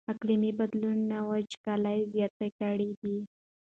اقلیمي بدلونونو وچکالي زیاته کړې ده.